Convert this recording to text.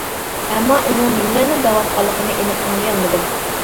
ئەمما ئۇنىڭ نېمىلەرنى دەۋاتقانلىقىنى ئېنىق ئاڭلىيالمىدىم.